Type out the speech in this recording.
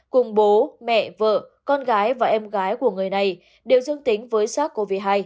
cùng bố mẹ vợ con gái và em gái của người này đều dương tính với sars cov hai